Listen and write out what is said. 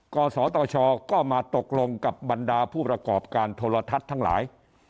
กศตชก็มาตกลงกับบรรดาผู้ประกอบการโทรทัศน์ทั้งหลาย